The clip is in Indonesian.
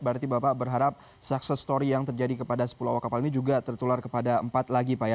berarti bapak berharap sukses story yang terjadi kepada sepuluh awak kapal ini juga tertular kepada empat lagi pak ya